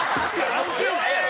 関係ないやろ。